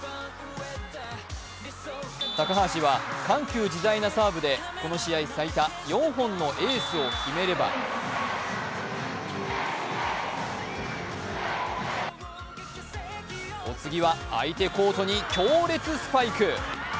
高橋は緩急自在なサーブでこの試合最多４本のエースを決めればお次は相手コートに強烈スパイク。